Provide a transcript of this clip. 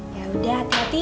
ya udah hati hati